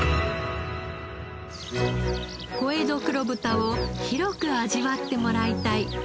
小江戸黒豚を広く味わってもらいたい。